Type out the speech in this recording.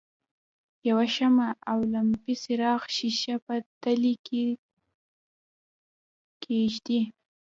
یوه شمع او لمپې څراغ ښيښه په تلې کې کیږدئ.